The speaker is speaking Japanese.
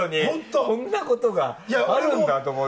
こんなことがあるんだと思って。